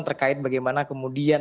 terkait bagaimana kemudian